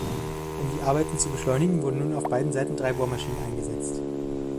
Um die Arbeiten zu beschleunigen, wurden nun auf beiden Seiten drei Bohrmaschinen eingesetzt.